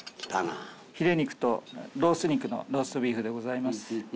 ヒレ肉とロース肉のローストビーフでございます。